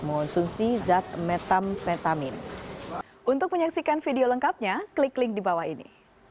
mengonsumsi zat metamfetamin untuk menyaksikan video lengkapnya klik link di bawah ini